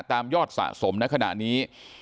ยอดสะสมในขณะนี้